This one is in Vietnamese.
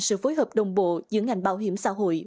sự phối hợp đồng bộ giữa ngành bảo hiểm xã hội